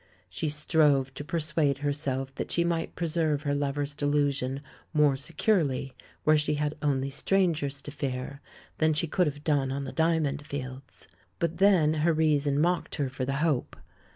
She strove to persuade herself that she might preserve her lover's delusion more securely where she had only strangers to fear than she could have done on the Diamond Fields. But then her reason mocked her for the hope.